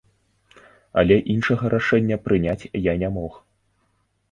Але іншага рашэння прыняць я не мог.